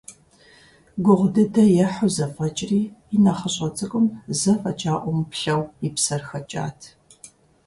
Гугъу дыдэ ехьу зэфӀэкӀри, и нэхъыщӀэ цӀыкӀум зэ фӀэкӀа Ӏумыплъэу и псэр хэкӀат.